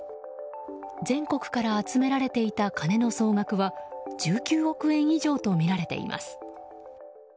全国から集められていた金の総額は１９億円以上とみられています。